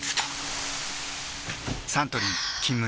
サントリー「金麦」